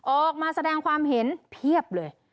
ออกมาแสดงความเห็นเพียบเลย